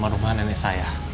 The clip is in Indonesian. rumah nenek saya